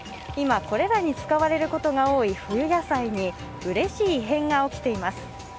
今、これらに使われることが多い冬野菜にうれしい異変が起きています。